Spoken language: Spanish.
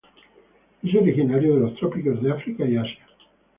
Es originario de los trópicos de África y Asia.